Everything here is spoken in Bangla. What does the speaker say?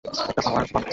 একটা পাওয়ার বাম্প!